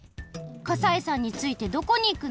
河西さんについてどこにいくの？